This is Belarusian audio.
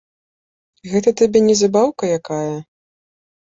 Гэта табе не забаўка якая.